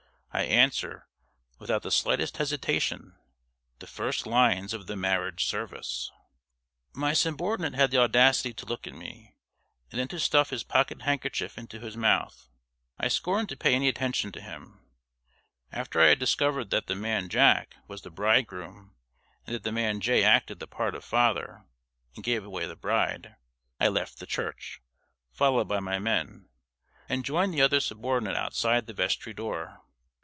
I answer, without the slightest hesitation, the first lines of the Marriage Service. My subordinate had the audacity to look at me, and then to stuff his pocket handkerchief into his mouth. I scorned to pay any attention to him. After I had discovered that the man "Jack" was the bridegroom, and that the man Jay acted the part of father, and gave away the bride, I left the church, followed by my men, and joined the other subordinate outside the vestry door.